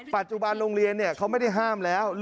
ปัจจุบันโรงเรียนเขาไม่ได้ห้ามแล้ว